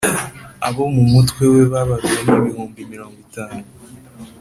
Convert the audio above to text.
Abo mu mutwe we babaruwe ni ibihumbi mirongo itanu